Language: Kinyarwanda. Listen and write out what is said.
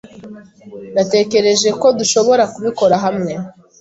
Natekereje ko dushobora kubikora hamwe.